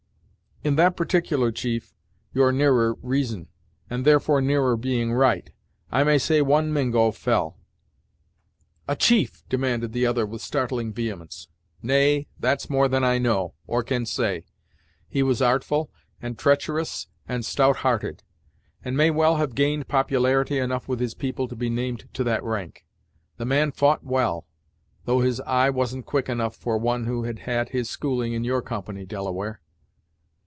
"In that particular, chief, you're nearer reason, and therefore nearer being right. I may say one Mingo fell." "A chief!" demanded the other with startling vehemence. "Nay, that's more than I know, or can say. He was artful, and treacherous, and stout hearted, and may well have gained popularity enough with his people to be named to that rank. The man fou't well, though his eye was'n't quick enough for one who had had his schooling in your company, Delaware."